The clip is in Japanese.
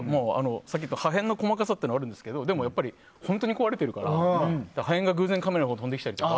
さっき言ったように破片の細かさもあるんですけどでも、本当に壊れてるから破片が偶然カメラに飛んできたりとか。